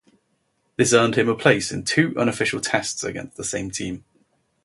This earned him a place in two unofficial Tests against the same team.